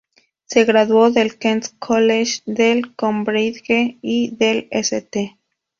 Se graduó del Queens College de Cambridge y del St.